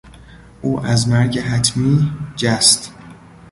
او از مرگ حتمی جست.